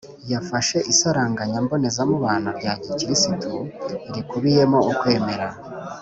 yafashe isaranganya mboneza mubano rya gikristu rikubiyemo ukwemera,